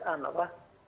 rujukan menurut saya kok